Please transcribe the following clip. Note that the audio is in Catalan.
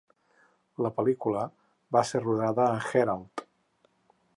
La pel·lícula va ser rodada a Hérault.